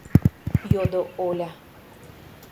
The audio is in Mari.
— йодо Оля.